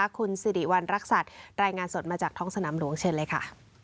คุณสิริวัณรักษัตริย์รายงานสดมาจากท้องสนามหลวงเชิญเลยค่ะ